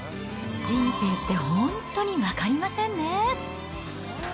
人生って本当に分かりませんね。